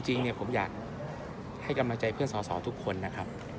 จริงผมอยากให้กำลังใจเพื่อนสอสอทุกคนนะครับ